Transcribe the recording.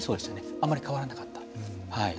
あまり変わらなかった。